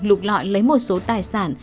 lục lọi lấy một số tài sản